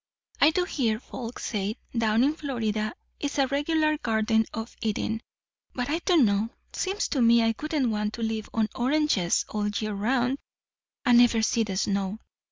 I do hear folks say, down in Florida is a regular garden of Eden; but I don' know! seems to me I wouldn't want to live on oranges all the year round, and never see the snow.